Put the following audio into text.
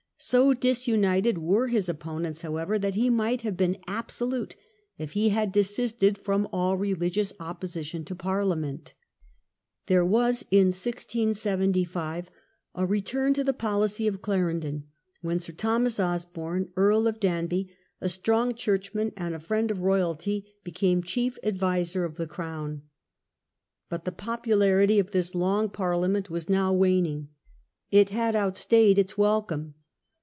So disunited were his opponents, however, that he might have been absolute if he had desisted from all religious opposition to Parliament. There was in 1675 a return to the policy of Clarendon when Sir Thomas Osborne, Earl of Danby, a strong churchman and a friend of royalty, became oanby, chief chief adviser of the crown. But the popu miniBteV, larity of this long Parliament was now waning. '^^* It had outstayed its welcome.